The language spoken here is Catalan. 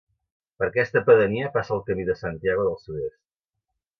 Per aquesta pedania passa el Camí de Santiago del sud-est.